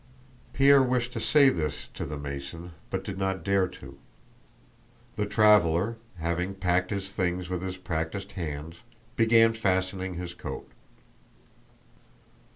Pierre wished to say this to the Mason, but did not dare to. The traveler, having packed his things with his practiced hands, began fastening his coat.